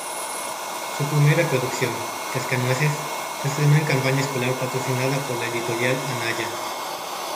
Su primera producción, "Cascanueces", se estrenó en campaña escolar patrocinada por la editorial Anaya.